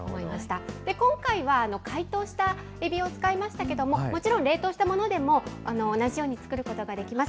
今回は解凍したエビを使いましたけれども、もちろん冷凍したものでも、同じように作ることができます。